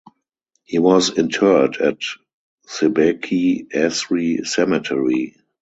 He was interred at Cebeci Asri Cemetery.